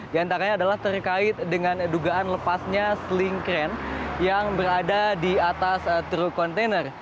di antaranya adalah terkait dengan dugaan lepasnya sling kren yang berada di atas truk kontainer